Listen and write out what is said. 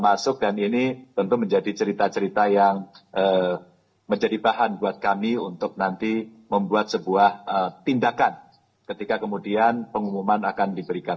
masuk dan ini tentu menjadi cerita cerita yang menjadi bahan buat kami untuk nanti membuat sebuah tindakan ketika kemudian pengumuman akan diberikan